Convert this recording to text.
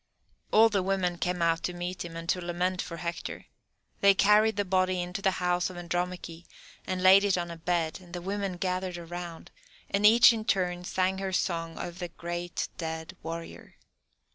All the women came out to meet him, and to lament for Hector. They carried the body into the house of Andromache and laid it on a bed, and the women gathered around, and each in turn sang her song over the great dead warrior.